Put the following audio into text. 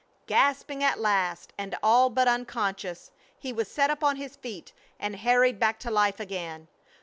Gasping at last, and all but unconscious, he was set upon his feet, and harried back to life again.